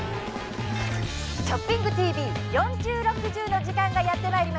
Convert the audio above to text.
「ショッピングＴＶ４０／６０」の時間がやってまいりました。